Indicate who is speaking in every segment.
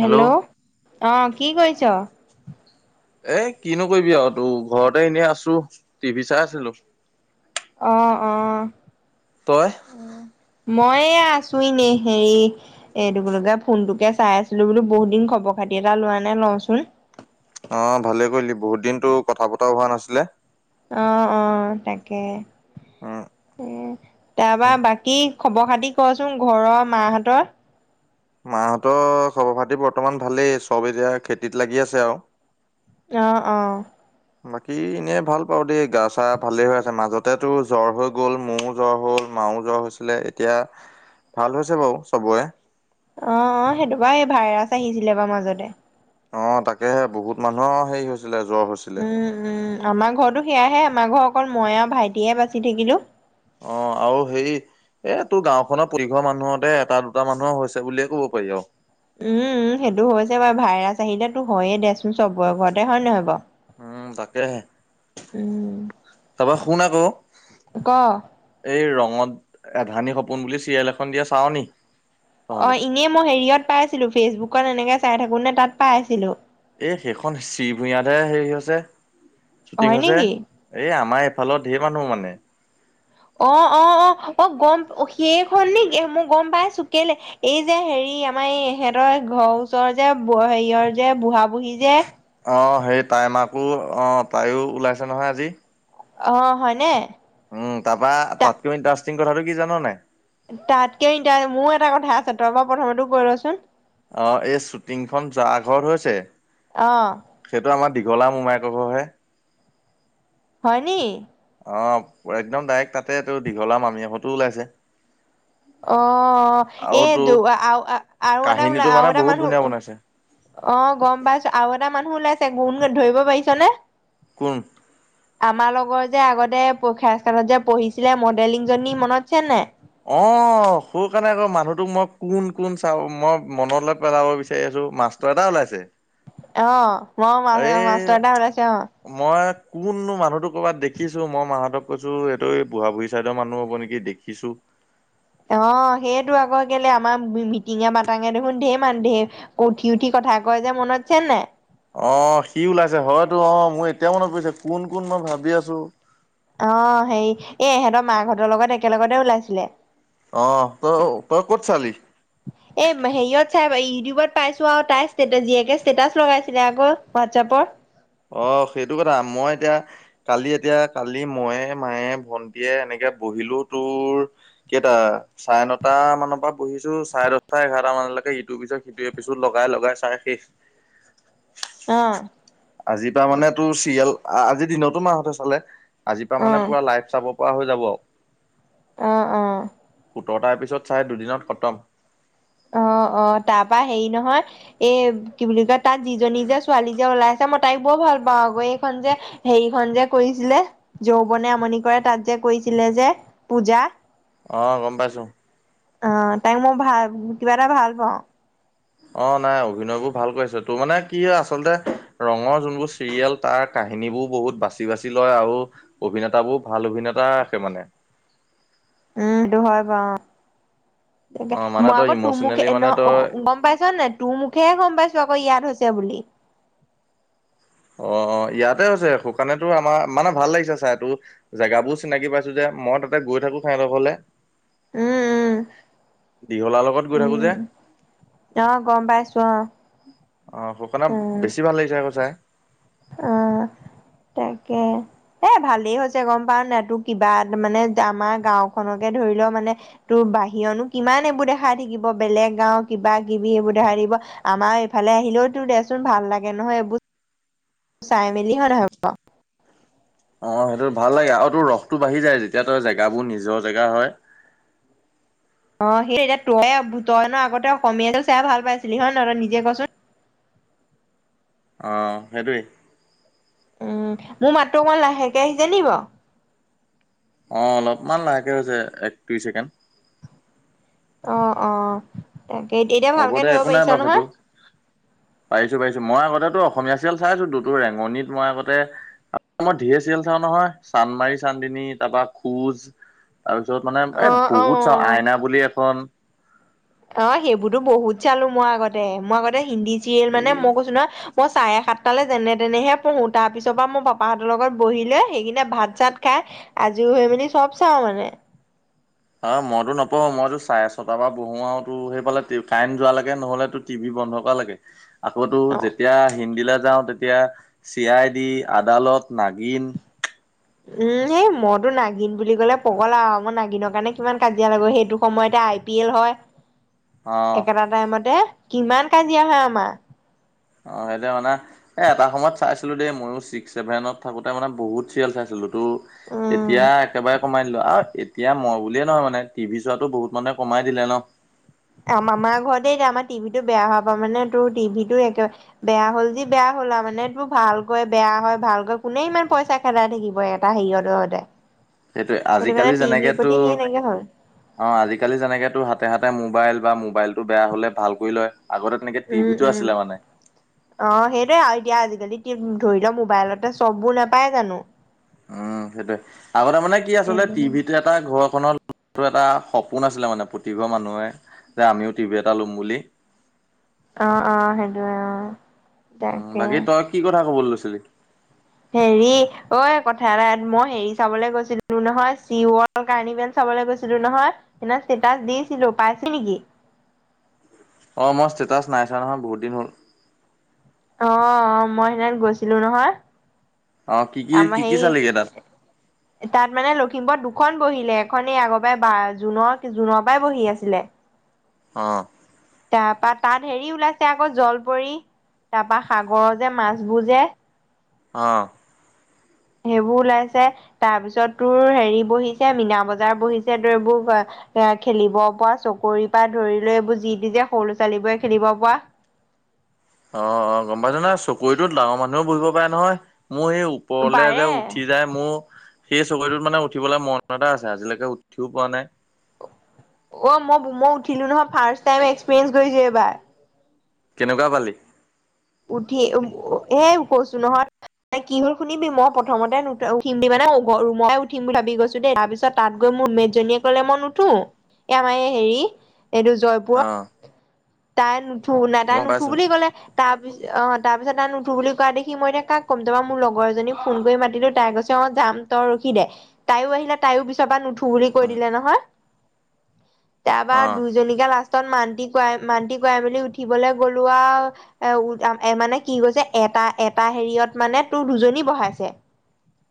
Speaker 1: Hello অ' কি কৰিছ?
Speaker 2: এ, কিনো কৰিবি আৰু তোৰ ঘৰতে এনেই আছোঁ, টিভি চাই আছিলোঁ।
Speaker 1: অ', অ'।
Speaker 2: তই?
Speaker 1: উ, মই এয়া আছোঁ এনেই হেৰি এইটো বুলোকে ফোনটোকে চাই আছিলো, বুলো বহুত দিন খবৰ খাতি এটা লোৱা নাই লউচোন।
Speaker 2: অ' ভালেই কৰিলি, বহুত দিন তোৰ কথা বতৰাও হোৱা নাছিলে।
Speaker 1: অ', অ' তাকে,
Speaker 2: উম।
Speaker 1: উ, তাৰপা বাকী খবৰ খাতি কচোন ঘৰৰ মাহতৰ
Speaker 2: মাহঁতৰ খবৰ খাতি বৰ্তমান ভালেই চব এতিয়া খেতিত লাগি আছে আৱ
Speaker 1: অ অ
Speaker 2: বাকী এনেই ভাল পাওঁ দেই গা চা ভালে হৈ আছে মাজতেতো জ্বৰ হৈ গ'ল মোৰ জ্বৰ হ'ল মাও জ্বৰ হৈছিলে এতিয়া ভাল হৈছে বাৰু চবৰে
Speaker 1: অ অ সেইটো বাও এই ভাইৰাছ আহিছিলে বাৰু মাজতে
Speaker 2: অ তাকেহে বহুত মানুহৰ হেৰি হৈছিলে জ্বৰ হৈছিলে
Speaker 1: উম উম আমাৰ ঘৰতো সেয়াহে আমাৰ ঘৰ অকল মই আৰু ভাইটিয়ে বাচি থাকিলোঁ
Speaker 2: অ আৰু হেৰি এ তোৰ গাঁওখনৰ পতিঘৰ মানুহতে এটা দুটা মানুহৰ হৈছে বুলিয়ে ক'ব পাৰি আৰু
Speaker 1: উম উম সেইটো হৈছে বাৰু ভাইৰাছ আহিলে তো হয়য়ে দেচোন চবৰে ঘৰতে হয় নহয় বাৰু
Speaker 2: উম তাকে হে
Speaker 1: উম
Speaker 2: তাৰপা শুন আকৌ
Speaker 1: ক
Speaker 2: এই ৰঙত এধানী সপোন বুলি চিৰিয়েল এখন দিয়ে চাও নি
Speaker 1: অ
Speaker 2: তহঁতে
Speaker 1: ইনেই মই হেৰিয়ত পাইছিলো ফেচবুকত এনেকে চাই থাকোতে তাত পাই আছিলো
Speaker 2: এই সেইখন শ্ৰী ভূঞাতে হেৰি হৈছে শ্বুটিং
Speaker 1: হয়
Speaker 2: হৈছে
Speaker 1: নেকি
Speaker 2: এই আমাৰ এইফালত ঢেৰ মানুহ মানে
Speaker 1: অ অ অ অ গম সেইখন নেকি মোক গম পাইছো কেলে এই যে হেৰি আমাৰ এই ইহঁতৰ ঘৰৰ ওচৰৰ যে হেৰিয়ৰ যে বুঢ়া বুঢ়ী যে
Speaker 2: অ সেই তাই মাকো অ তাইও ওলাইছে নহয় আজি
Speaker 1: অ হয়নে
Speaker 2: উম তাৰপা
Speaker 1: ত
Speaker 2: তাতকৈও ইণ্টাৰেষ্টিং কথাটো কি জান নাই
Speaker 1: তাতকে ইনটা মোৰ এটা কথা আছে তই বা প্ৰথমতে কৈ লচোন
Speaker 2: অ এই শ্বুটিংখন যাৰ ঘৰত হৈছে
Speaker 1: অ
Speaker 2: সেইটো আমৰ দীঘলা মোমাইকৰ ঘৰহে
Speaker 1: হয়‌ নি
Speaker 2: অ একদম ডাইৰেক্ট তাতে তো দীঘলা মামিহঁতো ওলাইছে
Speaker 1: অ
Speaker 2: আৰু
Speaker 1: এ
Speaker 2: তোৰ
Speaker 1: দু আ আৱ এটা আৰু এটা ওলা
Speaker 2: কাহিনীটো মানে
Speaker 1: আৰু এটা
Speaker 2: বহুত ধুনীয়া
Speaker 1: মানুহ
Speaker 2: বনাইছে
Speaker 1: অ গম পাইছো আৰু এটা মানুহ ওলাইছে গুণ ধৰিব পাৰিছানে
Speaker 2: কোন
Speaker 1: আমাৰ লগৰ যে আগতে পৰীক্ষাস্থানত যে পঢ়িছিলে মডেলিং জনী মনত আছে নে নাই
Speaker 2: অ সৌ কাৰণে আকৌ মানুহটোক মই কোন কোন চাব মই মনলৈ পেলাব বিচাৰি আছো মাছ তই এটা ওলাইছে
Speaker 1: অ হোৱাও মা মাষ্টৰ এটা
Speaker 2: এই
Speaker 1: ওলাইছে অ
Speaker 2: মই কোননো মানুহতো ক'বাত দেখিছো মই মানুহতোক কৈছো এ এইটো বুঢা বুঢ়ী চাইদৰ মানুহ হ'ব নেকি দেখিছো।
Speaker 1: অ' সেইটো আক কেলে আমাৰ মিটিঙে মাটাঙে দেখোন ঢেৰ মানুহ ঢেৰ উঠি উঠি কথা কয় যে মনত আছে নে নাই
Speaker 2: অ' সি ওলাইছে হয়তো অ' মোৰ এতিয়া মনত পৰিছে কোন কোন মই ভাবি আছো।
Speaker 1: অ' হেৰি এ ইহেঁতৰ মাকহঁতৰ লগত একেলগতে ওলাইছিলে।
Speaker 2: অ' তই তই ক'ত চালি
Speaker 1: [unintelligible] এই হেৰিয়ত চাই ইউটিউবত পাইছোঁ আৱ তাই জীয়েকে ষ্টেটাচ লগাইছিলে আক হোৱাটছপত।
Speaker 2: অ' সেইটো কথা মই এতিয়া কালি এতিয়া কালি মইয়ে মায়ে ভন্টিয়ে এনেকে বহিলো তোৰ কেইটা? চাৰে নটা মানৰ পৰা পঢ়িছোঁ। চাৰে দহটা এঘাৰটা মানলৈকে ইটোৰ পিছত সিটো এপিষদ লগাই লগাই চাই শেষ।
Speaker 1: অ।
Speaker 2: আজিৰ পৰা মানে টো চিৰিয়েল, আজি দিনতো মাহতে চালে। আজি পৰা মানে
Speaker 1: অ',
Speaker 2: পুৰা লাইফ চাব পৰা হৈ যাব আ‌ৱ।
Speaker 1: অ', অ'।
Speaker 2: সোতৰটা এপিছত চাই দুদিনত খতম।
Speaker 1: অ', অ' তাৰ পা হেৰি নহয়। এ কি বুলি কয়, তাত যিজনী যে ছোৱালী যে ওলাই আছে, মই তাইক বৰ ভাল পাওঁ আকৌ এইখন যে। হেৰিখন যে কৰিছিলে, যৌৱনে আমনি কৰে তাত যে কৈছিলে যে, পূজা?
Speaker 2: অ' গম পাইছো।
Speaker 1: অ' তাইক মই ভাল কিবা এটা ভাল পাওঁ।
Speaker 2: অ' নাই অভিনয় বোৰ ভাল কৰিছে। তোৰ মানে কি হয় আচলতে ৰঙৰ যোনবোৰ চিৰিয়েল। তাৰ কাহিনী বোৰ বহুত বাচি বাচি লয় আৰু অভিনেতা বোৰ ভাল অভিনেতা ৰাখে মানে।
Speaker 1: উম, সেইটো হয় বাৰু।
Speaker 2: অ
Speaker 1: তেনেকে।
Speaker 2: মানে
Speaker 1: মই
Speaker 2: তই
Speaker 1: আকৌ তো মো কে
Speaker 2: ইমচনেলি
Speaker 1: এনে
Speaker 2: মানে তই
Speaker 1: গম পাইছ নাই? তো মুকে হে গম পাইছো আকৌ ইয়াত হৈছে বুলি।
Speaker 2: অ', অ'। ইয়াতে হৈছে শুকানেতো আমাৰ মানে ভাল লাগিছে চাই টো জেগাবোৰ চিনাকি পাইছো যে। মই তাতে গৈ থাকো ঠাইডোখৰলে।
Speaker 1: উম
Speaker 2: দীঘলা লগত গৈ থাকো যে।
Speaker 1: উম অ' গম পাইছো অ'।
Speaker 2: অ' শুকানত
Speaker 1: উম
Speaker 2: বেছি ভাল লাগিছে আকৌ চাই।
Speaker 1: অ' তাকে। এ ভালেই হৈছে, গম পাৱ নাই? তো কিবা মানে আমাৰ গাওখনকে ধৰি লও মানে তোৰ বাহিৰনো কিমান এইবোৰ দেখাই থাকিব। বেলেগ গাও কিবা কিবি এইবোৰ দেখাই থাকিব। আমাৰ এইফালে আহিলেওতো দেচোন ভাল লাগে নহয় এইবোৰ চাই মেলি হয় নহয়।
Speaker 2: অ' সেইটো ভাল লাগে আৰু তোৰ ৰসটো বাঢ়ি যায়, যেতিয়া তই জেগাবোৰ নিজৰ জেগা হয়।
Speaker 1: অ' সেই এতিয়া তই তই নো আগতে সমীহতক চাই ভাল পাইছিলি, হয় নহয়? তই নিজে কচোন।
Speaker 2: অ' সেইটোৱেই।
Speaker 1: উম। মোৰ মাতটো অকমাণ লাহেকে আহিছে নি বাৱ।
Speaker 2: অ' অলপমান লাহেকে হৈছে, এক দুই ছেকেণ্ড।
Speaker 1: অ', অ' তাকে। এতিয়া
Speaker 2: হ'ব
Speaker 1: ভালকে
Speaker 2: দে
Speaker 1: ধৰিব
Speaker 2: একো নাই
Speaker 1: পাৰিছ
Speaker 2: বাৰু সেইটো
Speaker 1: নহয়?
Speaker 2: পাৰিছো পাৰিছো। মই আগতেটো অসমীয়া চিৰিয়েল চাই আছো। দুদো ৰেঙনিত মই আগতে মই ঢেৰ ছিৰিয়েল চাওঁ নহয়। চান্মাৰি চান্দিনী তাপা খোজ। তাৰপিছত মানে এ
Speaker 1: অ
Speaker 2: বহুত চাওঁ,
Speaker 1: অ
Speaker 2: আইনা বুলি এখন।
Speaker 1: অ' সেইবোৰতো বহুত চালো মই আগতে, মই আগতে হিন্দী চিৰিয়েল মানে
Speaker 2: এই
Speaker 1: মই কৈছো নহয় মই চাৰে সাতটালৈ যেনে তেনেহে পঢ়ো। তাৰ পিছৰ পা মো পাপাহঁতৰ লগত বহি লৈ সেইকিনে ভাত চাত খাই আজই হৈ মেলি চব চাওঁ মানে।
Speaker 2: অ' মইতো নপঢ়ো। মইতো চাৰে ছটা পা পঢ়োঁ আৰুতো সেইফালে কাৰেণ্ট যোৱা লৈকে নহ'লেতো টিভি বন্ধ কৰা লৈকে। আকৌটো
Speaker 1: অ
Speaker 2: যেতিয়া হিন্দীলৈ যাওঁ, তেতিয়া C I D, Adaalat, Naagin.
Speaker 1: উম। সেই মইতো নাগিন বুলি ক'লে পগলা আৰু মই নাগিনৰ কাৰণে কিমান কাজিয়া লাগো। সেইটো সময়তে আই পিএল হয়।
Speaker 2: অ
Speaker 1: একেটা টাইমতে কিমান কাজিয়া হয় আমাৰ।
Speaker 2: অ সেইতিয়া মানে, এ এটা সময়ত চাইছিলো দেই ময়ো ছিক্স ছেভেনত থাকোতে মানে বহুত চিৰিয়েল চাইছিলো। টো
Speaker 1: উম
Speaker 2: এতিয়া একেবাৰে কমাই দিলো আও এতিয়া মই বুলিয়ে নহয় মানে টিভি চোৱা বহুত মানুহে কমাই দিলে ন
Speaker 1: আমাৰ ঘৰতে এতিয়া আমাৰ টিভিটো বেয়া হোৱাৰ পা মানে তোৰ টিভিটো একে বেয়া হ'ল যি বেয়া হ'ল আও মানে তোৰ ভালকৈ বেয়া হয় ভালকৈ কোনে ইমান পইচা খেদাই থাকিব এটা হেৰিয়ঁতে সদায়
Speaker 2: সেইটোয়ে আজিকালি যেনেকে তো
Speaker 1: হ'ল
Speaker 2: অ আজিকালি যেনেকে তো হাতে হাতে মোবাইল বা মোবাইলটো বেয়া হলে ভাল কৰি লয় আগতে তেনেকে
Speaker 1: উম
Speaker 2: টিভিটো
Speaker 1: উম
Speaker 2: আছিলে মানে
Speaker 1: অ সেইটোৱে আও এতিয়া আজিকালি ধৰি ল মোবাইলতে চববোৰ নাপায় জানো
Speaker 2: উম সেইটোয়ে আগতে মানে কি আচলতে
Speaker 1: সেইটো
Speaker 2: টিভিতোৱে এটা ঘৰখনৰ এটা সপোন আছিলে মানে প্ৰতিঘৰ মানুহে যে আমিও টিভি এটা লম বুলি
Speaker 1: অ অ সেইটোয়ে অ
Speaker 2: উম
Speaker 1: তাকে
Speaker 2: বাকী তই কি কথা ক'ব লৈছিলি
Speaker 1: হেৰি ঐ কথা এটা মই হেৰি চাবলৈ গৈছিলো নহয় চিৱত কাৰ্ণি বেল চাবলৈ গৈছিলো নহয় সেইদিনা ষ্টেটাচ দিছিলো পাইছে নেকি
Speaker 2: অ মই ষ্টেটাচ নাইছোৱা নহয় বহুত দিন হ'ল
Speaker 1: অ মই তাত গৈছিলো নহয়
Speaker 2: অ কি কি কি
Speaker 1: আমাৰ
Speaker 2: কি চালিগে তাত
Speaker 1: সেই তাত মানে লখিমপুৰত দুখন বহিলে এখন এই আগৰ পৰাই বা জুনৰ জুনৰ পৰা বহি আছিলে
Speaker 2: অ
Speaker 1: তাপা তাত হেৰি ওলাইছে আকৌ জল পৰি তাপা সাগৰৰ যে মাছবোৰ যে
Speaker 2: অ
Speaker 1: সেইবোৰ ওলাইছে তাৰ পিছত তোৰ হেৰি বহিছে মীনা বজাৰ বহিছে তোৰ এইবোৰ এ খেলিব পৰা চকৰি পৰা ধৰি লৈ এইবোৰ যি দি যে সৰু ল'ৰা ছোৱালীবোৰে খেলিব পোৱা
Speaker 2: অ অ গম পাইছো নহয় চকুৰিতোত ডাঙৰ মানুহেও বহিব পাৰে নহয় মোৰ সেই ওপৰলে যে
Speaker 1: পাৰে
Speaker 2: উঠি যায় মোৰ সেই চগৰিটোত মানে উঠিবলে মন এটা আছে আজিলৈকে উঠিও পোৱা নাই
Speaker 1: অ মই মই উঠিলো নহয় ফাৰ্ট টাইম এক্সপিৰিয়েঞ্চ কৰিছো এইবাৰ
Speaker 2: কেনেকুৱা পালি
Speaker 1: উঠি উ হে কৈছো নহত কি নো শুনিবি মই প্ৰথমতে উঠিম বুলি মানে মই ৰুমৰ পৰাই উঠিম বুলি ভাবি গৈছো দেই তাৰপিছত তাত গৈ মোৰ মেদ জনীয়ে কলে মই নুঠো এ আমাৰ এই হেৰি এইটো জয়
Speaker 2: অ
Speaker 1: তাই নুঠো নাই তাই
Speaker 2: গম
Speaker 1: নুঠো
Speaker 2: পাইছোঁ।
Speaker 1: বুলি ক'লে তাৰপিছ অ তাৰপিছত তাই নুঠো বুলি কোৱা দেখি মই এতিয়া কাক কম তাপা মোৰ লগৰ এজনীক ফোন কৰি মাতিলোঁ তাই কৈছে অ যাম তই ৰখি দে তাইও আহিলে তাইও পিছৰ পৰা নুঠো বুলি কৈ দিলে নহয় তাপা
Speaker 2: অ',
Speaker 1: দুইজনীকে লাষ্টত মান্তি কোৱাই মান্তি কোৱাই মেলি উঠিবলে গলো আও এ মানে কি কৈছে এটা এটা হেৰিয়ত মানে তোৰ দুজনী বহাইছে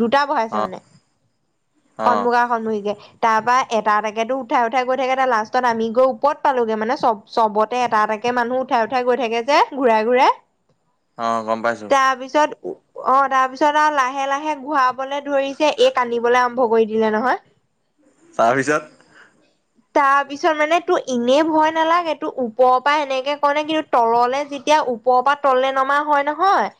Speaker 1: দুটা বহাইছে
Speaker 2: অ',
Speaker 1: মানে
Speaker 2: অ',
Speaker 1: সন্মুখা সন্মুখীকে তাপা এটা এটাকেতো উঠাই উঠাই গৈ থাকে তাৰ লাষ্টত আমি গৈ ওপৰত পালোগে মানে চব চবতে এটা এটাকে মানুহ উঠাই উঠাই গৈ থাকে যে ঘূৰাই ঘূৰাই
Speaker 2: অ গম পাইছো
Speaker 1: তা পিছত অ তাৰ পিছত আও লাহে লাহে ঘূৰাবলে ধৰিছে এই কান্দিবলে আৰম্ভ কৰি দিলে নহয় [inaudible]
Speaker 2: তাৰপিছত?
Speaker 1: [unintelligible] তাৰ পিছত মানে, তোৰ এনে ভয় নালাগে? তোৰ ওপৰৰ পৰা এনেকে কৰে, কিন্তু তললে যি যেতিয়া ওপৰৰ পৰা তললে নমা হয় নহয়,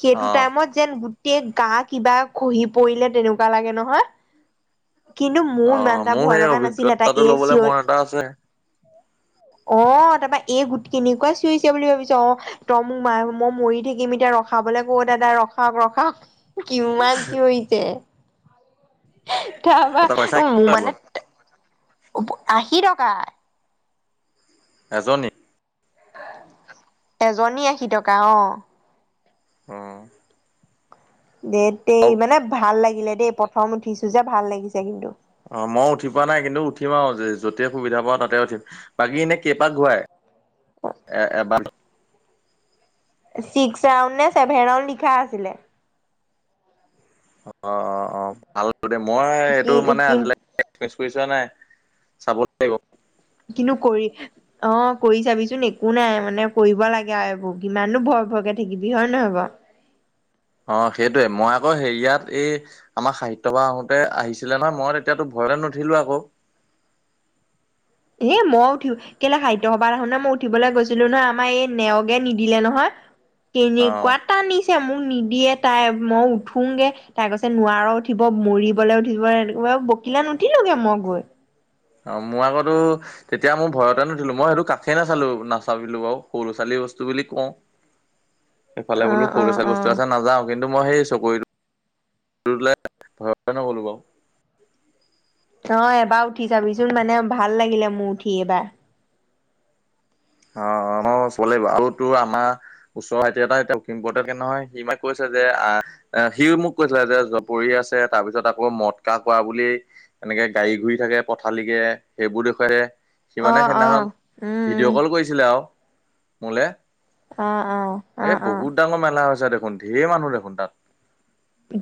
Speaker 1: সেইটো
Speaker 2: অ',
Speaker 1: টাইমত যেন গোটেই গা কিবা খহি পৰিলে তেনেকুৱা লাগে নহয়। কিন্তু মোৰ
Speaker 2: অ',
Speaker 1: ইমান এটা
Speaker 2: মোৰ
Speaker 1: ভয়
Speaker 2: সেই
Speaker 1: লগা নাছিলে,
Speaker 2: অভিজ্ঞতাটো
Speaker 1: তাই এৰ
Speaker 2: ল'বলে
Speaker 1: চিঞৰ
Speaker 2: মন এটা আছে।
Speaker 1: অ' তাৰপা, এ গোট কেনেকুৱা চিঞৰিছে বুলি ভাবিছ অ'! তই মোক মাৰ, মই মৰি থাকিম এতিয়া। ৰখাবলে ক দাদা ৰখাওক, ৰখাওক। কিমান চিঞৰিছে। তাৰপা,
Speaker 2: পইচা
Speaker 1: মোৰ মানে আশী টকা।
Speaker 2: এজনী?
Speaker 1: এজনী আশী টকা অ'।
Speaker 2: অঁ।
Speaker 1: দে তেই মানে ভাল লাগিলে দেই প্ৰথম উঠিছোঁ যে ভাল লাগিছে কিন্তু।
Speaker 2: অ' মইয়ো উঠি পোৱা নাই, কিন্তু উঠিম আৰু য'তে সুবিধা পাওঁ তাতে উঠিম। বাকী, এনে কেইপাক ঘূৰাই? এ এপাক
Speaker 1: ছিক্স ৰাউণ্ড নে ছেভেন ৰাউণ্ড লিখা আছিলে।
Speaker 2: অ' অ' অ', ভাল দে মই এইটো
Speaker 1: কি
Speaker 2: মানে
Speaker 1: কি
Speaker 2: আজিলেকে [unintelligible]
Speaker 1: কিনো কৰি অঁ, কৰি চাবিচোন? একো নাই মানে কৰিব লাগে আৰু এইবোৰ কিমাননো ভয় খোৱাকে থাকিবি আৰু হয় নে নহয় বাৰু?
Speaker 2: অ' সেইটোৱে, মই আকৌ হেৰি, ইয়াত এই আমাৰ সাহিত্যসভা হওঁতে আহিছিলে নহয়, মই তেতিয়াতো ভয়তে নুঠিলো আকৌ।
Speaker 1: এ, মই উঠি কেলে সাহিত্য সভাৰ [unintelligible] মই উঠিবলে গৈছিলোঁ নহয়, আমাৰ এই নেওগে নিদিলে নহয়।
Speaker 2: অ'।
Speaker 1: কেনেকুৱা টানিছে মোক, নিদিয়ে তাই। মই উঠোংগে। তাই কৈছে, নোৱাৰ উঠিব মৰিবলৈ উঠিব এনেকুৱা বকিলে নুঠিলোগে মই গৈ।
Speaker 2: অ' মোৰ আগতো তেতিয়া মোৰ ভয়তে নুঠিলোঁ, মই সেইটো কাষেই নাচালো নাচাপিলো বাৰু! সৰু লৰা-ছোৱালী বস্তু বুলি কওঁ। সেইফালে
Speaker 1: অ
Speaker 2: বোলো সৰু
Speaker 1: অ
Speaker 2: লৰা-ছোৱালী
Speaker 1: অ।
Speaker 2: বস্তু আছে, নাযাওঁ। কিন্তু মই সেই চকৰিটোলে ভয়তে নগ'লোঁ বাও।
Speaker 1: নহয়, এবাৰ উঠি চাবিচোন? মানে ভাল লাগিলে মোৰ উঠি এইবাৰ।
Speaker 2: অ' অ', [unintelligible] তোৰ আমাৰ ওচৰৰ ভাইটি এটাই [unintelligible] সি মোক কৈছে যে আহ, এ, সিওঁ মোক কৈছিলে যে জপৰি আছে। তাৰ পিছত আকৌ মদকা খোৱা বুলি এনেকে গাড়ী ঘূৰি থাকে পথালিকে, সেইবোৰ দেখুৱাইছে, সি
Speaker 1: অ
Speaker 2: মানে
Speaker 1: অ
Speaker 2: সেইদিনাখন
Speaker 1: উম
Speaker 2: ভিডিঅ' কল কৰিছিলে আৰু মোলে,
Speaker 1: অ অ অ
Speaker 2: এ
Speaker 1: অ
Speaker 2: বহুত ডাঙৰ মেলা হৈছে দেখোন। ধেৰ মানুহ দেখোন তাত।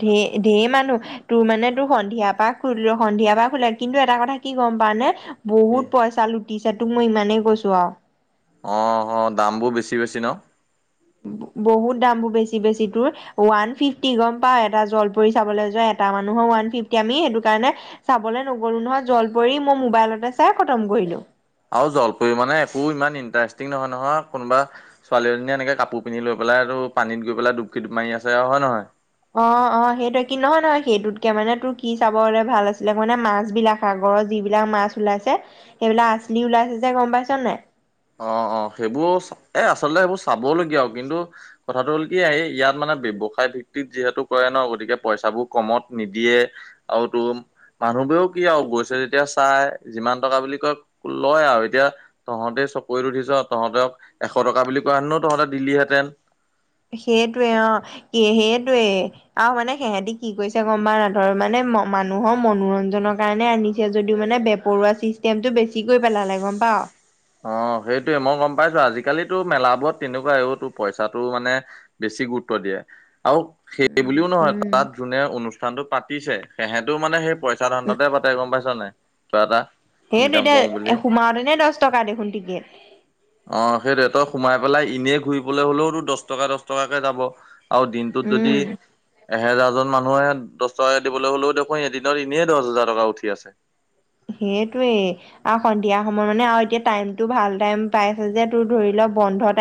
Speaker 1: ধে-ধেইৰ মানুহ। তোৰ মানে, তোৰ সন্ধিয়াৰ পৰা খো-সন্ধিয়াৰ পৰা খোলে। কিন্তু এটা কথা কি গম পাৱ নে?
Speaker 2: কি
Speaker 1: বহুত পইচা লুটিছে, তোক মই ইমানেই কৈছোঁ আওঁ।
Speaker 2: অ' অহ, দামবোৰ বেছি বেছি ন?
Speaker 1: বহুত দামবোৰ বেছি বেছি তোৰ। ওৱান ফিফটি, গম পাৱ? এটা জলপৰী চাবলে যোৱা এটা মানুহৰ ওৱান ফিফটি। আমি সেইটো কাৰণে চাবলে নগ'লো নহয় জল পৰি মই মোবাইলতে চাই খতম কৰিলোঁ।
Speaker 2: আৰু জলপৰী মানে একো ইমান ইণ্টাৰেষ্টিং নহয়, নহয় কোনোবা ছোৱালী এজনীয়ে এনেকে কাপোৰ পিন্ধি লৈ পেলাই পানীত গৈ পেলাই ডুপকী মাৰি আছে আৰু হয় নহয়।
Speaker 1: অ', অ', সেইটো কি নহয় নহয় সেইটোতকে মানে তোৰ কি চাবলে ভাল আছিলে মানে মাছ বিলাক সাগৰৰ যিবিলাক মাছ ওলাইছে সেইবিলাক আচলি ওলাইছে যে গ'ম পাইছ নে নাই।
Speaker 2: অ', অ', সেইবোৰ এ আচলতে সেইবোৰ চাবলগীয়া আৰু কিন্তু কথাটো হ'ল কি এই ইয়াত মানে ব্যৱসায় ভিত্তিত যিহেতু কৰে ন গতিকে পইচাবোৰ কমত নিদিয়ে আৰু তো মানুহবোৰেও কি আৰু গৈছে যেতিয়া এতিয়া চাই যিমান টকা বুলি কয় লয় আৰু এতিয়া তহঁতে চ'ব। কৰি ৰ উঠিছ তহঁতক এশ টকা বুলি কোৱােনো তহঁতে দিলহেঁতেন।
Speaker 1: সেইটোৱে অ', কি সেইটোৱে। আৰু মানে সিহঁতি কি কৈছে গম পাৱ না ধৰ মানে মানুহৰ মনোৰঞ্জনৰ কাৰণে আনিছে। যদিওঁ মানে ব পৰুৱা চিষ্টেমটো বেছিকৈ পেলালে গ'ম পাৱ।
Speaker 2: অ', সেইটয়ে মই গম পাইছোঁ। আজিকালি মেলাবোৰত তেনেকুৱা এইতো পইচাটো মানে বেছি গুৰুত্ব দিয়ে। আৰু সেইবুলি
Speaker 1: উম
Speaker 2: ও নহয়
Speaker 1: উম
Speaker 2: তাত যোনে অনুষ্ঠানটো পাতিছে সেহেতোও মানে সেই পইচা
Speaker 1: উম
Speaker 2: ধান্ধাতে পাতে গ'ম পাইছ নাই তই এটা।
Speaker 1: সেইটো
Speaker 2: ইনকাম কৰো বুলি
Speaker 1: এতিয়া সোমাওতে নে দহ টকা দেখোন ক্ৰিকেট।
Speaker 2: অ', সেইটোৱে সোমাই পেলাই এনেই ঘূৰিবলৈ হলেওতো দহ টকা দহ টকাকে যাব। আৰু দিনটোত যদি।
Speaker 1: উম
Speaker 2: এহেজাৰজন মানুহে দহ টকাকৈ ল'বলৈ হ'লেও দেখোন এদিনত এনেই দহ হেজাৰ টকা উঠি আছে।
Speaker 1: সেইটোৱেই। আৰু সন্ধিয়া সময়ত মানে আৰু এতিয়া টাইমতটো ভাল টাইম পাইছে যে তোৰ ধৰি ল বন্ধতে